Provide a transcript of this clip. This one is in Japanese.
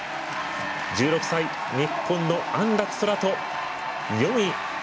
１６歳、日本の安楽宙斗４位。